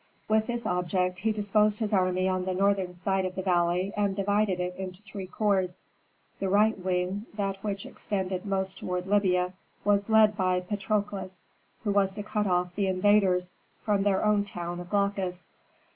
With this object he disposed his army on the northern side of the valley and divided it into three corps. The right wing, that which extended most toward Libya, was led by Patrokles, who was to cut off the invaders from their own town of Glaucus.